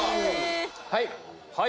はい！